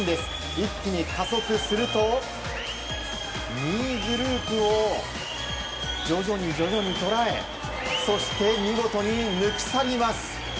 一気に加速すると２位グループを徐々に徐々に捉えそして、見事に抜き去ります。